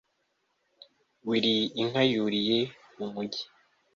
willis inka yuriye mumujyi